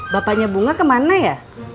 bapaknya bunga kemana ya